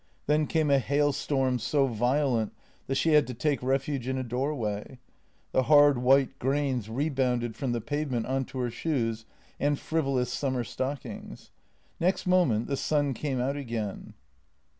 Then came a hail storm so violent that she had to take refuge in a doorway. The hard white grains rebounded from the pavement on to her shoes and frivolous summer stock ings. Next moment the sun came out again.